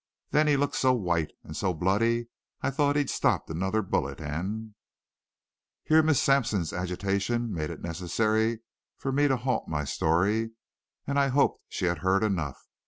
Then he looked so white and so bloody I thought he'd stopped another bullet and " Here Miss Sampson's agitation made it necessary for me to halt my story, and I hoped she had heard enough.